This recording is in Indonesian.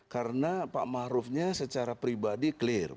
karena pak marufnya secara pribadi clear